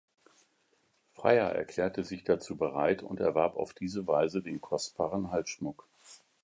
Freyja erklärte sich dazu bereit und erwarb auf diese Weise den kostbaren Halsschmuck.